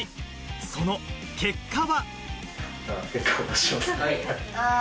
その結果は。